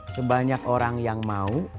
sebanyak orang yang mau